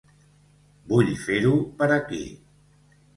Vull fer-ho per aquí.